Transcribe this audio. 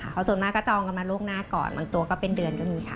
เพราะส่วนมากก็จองกันมาล่วงหน้าก่อนบางตัวก็เป็นเดือนก็มีค่ะ